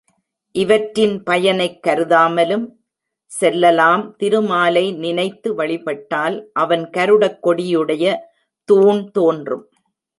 இவற்றின் பயனைக் கருதாமலும் செல்லலாம் திருமாலை நினைத்து வழிபட்டால் அவன் கருடக் கொடியுடைய தூண் தோன்றும்.